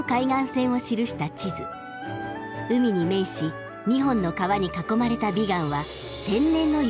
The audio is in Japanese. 海に面し２本の川に囲まれたビガンは天然の要塞でした。